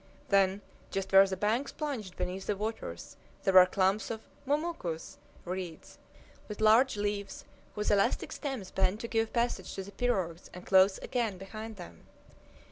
Then, just where the banks plunged beneath the waters, there were clumps of "mucumus," reeds with large leaves, whose elastic stems bend to give passage to the pirogues and close again behind them.